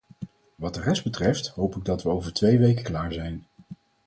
Wat de rest betreft, hoop ik dat we over twee weken klaar zijn.